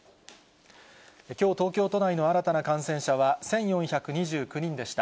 きょう東京都内の新たな感染者は１４２９人でした。